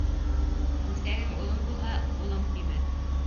Күҫәгең оҙон булһа, ҡулың көймәҫ.